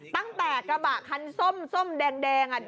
ตั้งแต่กระบะคันส้มแดง